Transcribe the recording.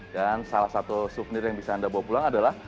dan salah satu suvenir yang bisa anda bawa pulang adalah